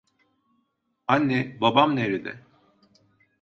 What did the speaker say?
Anne, babam nerede?